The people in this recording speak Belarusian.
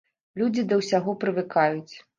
Людзі да ўсяго прывыкаюць.